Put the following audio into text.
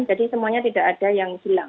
jadi semuanya tidak ada yang hilang